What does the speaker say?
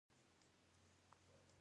چې یوازې هغه خلک د سولې مستحق دي